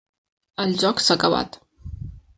El joc s'ha acabat.